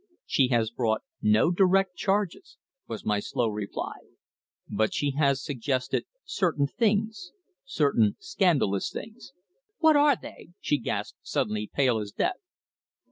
"She has brought no direct charges," was my slow reply. "But she has suggested certain things certain scandalous things." "What are they?" she gasped, suddenly pale as death.